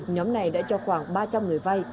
nhóm này đã cho khoảng ba trăm linh người vay